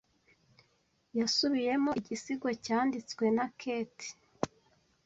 Yasubiyemo igisigo cyanditswe na Keats.